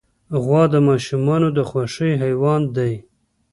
غوا د ماشومانو د خوښې حیوان دی.